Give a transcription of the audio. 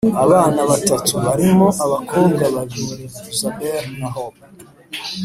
abana batatu barimo abakobwa babiri, isabelle na hope,